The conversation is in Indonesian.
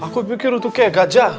aku pikir itu kayak gajah